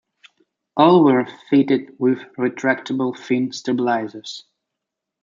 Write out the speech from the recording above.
All were fitted with retractable fin stabilizers.